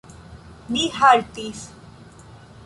Ni haltis.